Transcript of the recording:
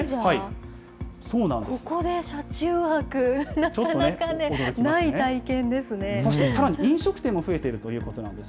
ここで車中泊、なかなかね、そしてさらに飲食店も増えているということなんです。